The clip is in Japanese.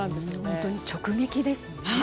本当に直撃ですね。